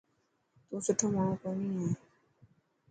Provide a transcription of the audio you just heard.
تون سٺو ماڻهو ڪوني هي.